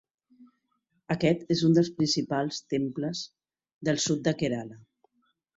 Aquest és un dels principals temples del sud de Kerala.